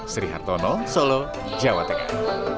sri hartono solo jawa tengah